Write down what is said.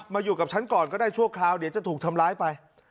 อยู่กับฉันก่อนก็ได้ชั่วคราวเดี๋ยวจะถูกทำร้ายไป